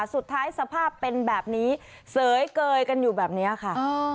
สภาพเป็นแบบนี้เสยเกยกันอยู่แบบนี้ค่ะ